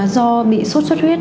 do bị sốt xuất huyết